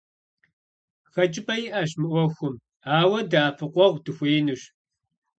Хэкӏыпӏэ иӏэщ мы ӏуэхум, ауэ дэӏэпыкъуэгъу дыхуеинущ.